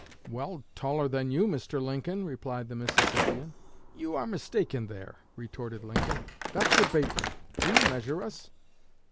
"Well, taller than you, Mr. Lincoln," replied the Mississippian. "You are mistaken there," retorted Lincoln. "Dr. Bateman, will you measure us?"